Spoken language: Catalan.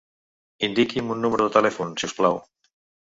Indiqui'm un número de telèfon, si us plau.